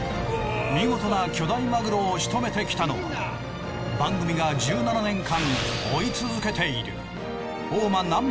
見事な巨大マグロをしとめてきたのは番組が１７年間追い続けている。